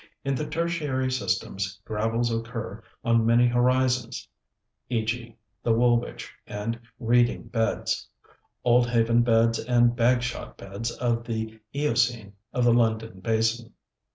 In the Tertiary systems gravels occur on many horizons, e.g. the Woolwich and Reading beds, Oldhaven beds and Bagshot beds of the Eocene of the London basin.